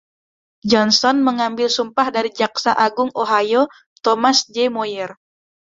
Johnson mengambil sumpah dari jaksa Agung Ohio Thomas J. Moyer.